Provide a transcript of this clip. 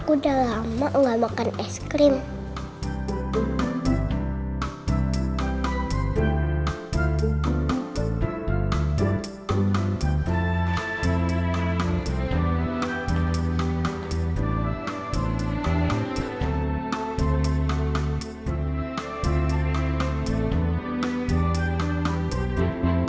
oleh melihat perancitnya